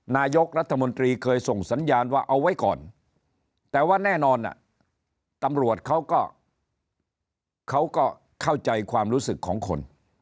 นายกรัฐมนตรีเคยส่งสัญญาณว่าเอาไว้ก่อนแต่ว่าแน่นอนตำรวจเขาก็เขาก็เข้าใจความรู้สึกของคน